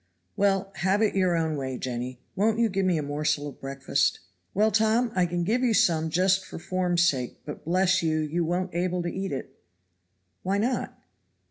"Well, have it your own way, Jenny. Won't you give me a morsel of breakfast?" "Well, Tom, I can give you some just for form's sake; but bless you, you won't able to eat it." "Why not?"